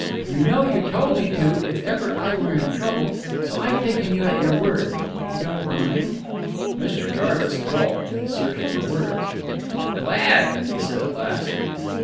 "You know you told me to if ever I were in trouble, so I've taken you at your word. You don't mind?" Mr. Jarvis gulped, and searched for words. "Glad," he said at last.